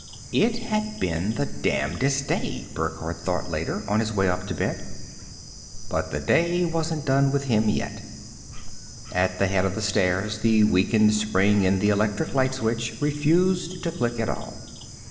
It had been the damnedest day, Burckhardt thought later, on his way up to bed. But the day wasn't done with him yet. At the head of the stairs, the weakened spring in the electric light switch refused to click at all.